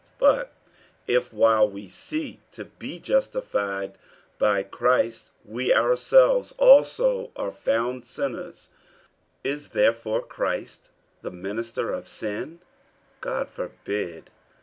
48:002:017 But if, while we seek to be justified by Christ, we ourselves also are found sinners, is therefore Christ the minister of sin? God forbid.